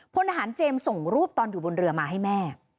พลทหารเจมส์ส่งรูปตอนอยู่บนเรือมาให้แม่